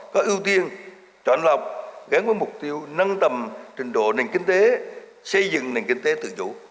có ưu tiên chọn lọc gắn với mục tiêu nâng tầm trình độ nền kinh tế xây dựng nền kinh tế tự chủ